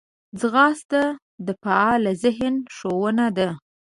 ځغاسته د فعال ذهن ښوونه ده